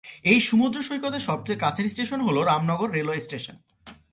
এই সমুদ্র সৈকতের সবচেয়ে কাছের স্টেশন হল রামনগর রেলওয়ে স্টেশন।